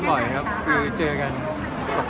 แล้วบุ๊คบุ๊คว่าครับ